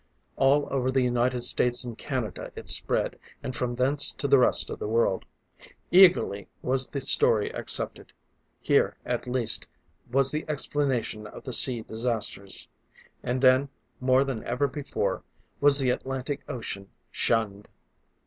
All over the United States and Canada it spread, and from thence to the rest of the world. Eagerly was the story accepted: here, at last, was the explanation of the sea disasters! And then, more than ever before, was the Atlantic ocean shunned.